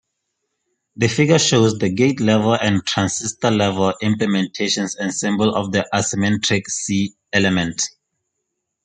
The figure shows the gate-level and transistor-level implementations and symbol of the asymmentric C-element.